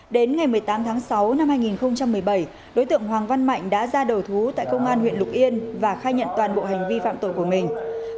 đến ngày một mươi tám tháng sáu năm hai nghìn một mươi bảy đối tượng hoàng văn mạnh đã ra đầu thú tại công an huyện lục yên và khai nhận toàn bộ hành vi phạm tội của mình